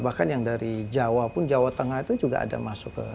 bahkan yang dari jawa pun jawa tengah itu juga ada masuk ke